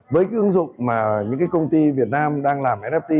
với ứng dụng mà những công ty việt nam đang làm nft